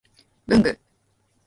文具